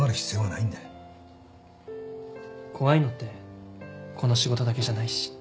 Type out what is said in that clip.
怖いのってこの仕事だけじゃないし。